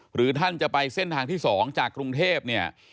หรือท่านจะไปเส้นทางที่๒จากกรุงเทพเนี่ย